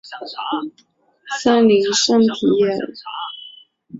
森林圣皮耶尔。